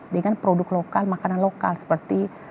dengan produk lokal makanan lokal seperti